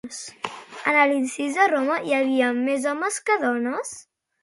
En els inicis de Roma, hi havia més homes que dones?